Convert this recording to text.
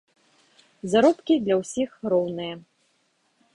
Заробкі для ўсіх роўныя.